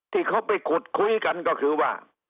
ที่เขาไปขุดคุยกันก็คือว่า